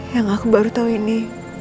yang aku baru tahu ini